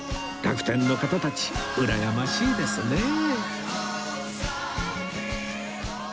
楽天の方たちうらやましいですね